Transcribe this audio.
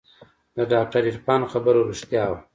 د ډاکتر عرفان خبره رښتيا وه.